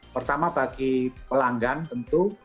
pertama bagi pelanggan tentu